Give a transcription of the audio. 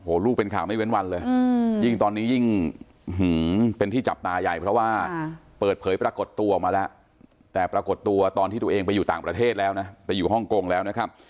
โหลูกเป็นข่าวไม่เว้นวันเลยจริงตอนนี้ยิ่งหึงเป็นที่จับตาใหญ่เพราะว่าผม